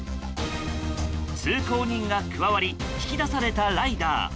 通行人が加わり引き出されたライダー。